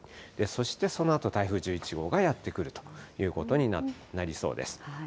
そして、そのあと台風１１号がやって来るということになりそうです。